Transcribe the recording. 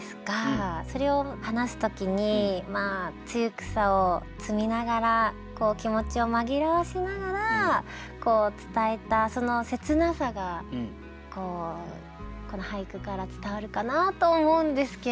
それを話す時につゆくさを摘みながら気持ちを紛らわせながら伝えたその切なさがこの俳句から伝わるかなと思うんですけれども。